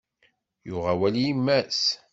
Yuɣ awal i yemma-s.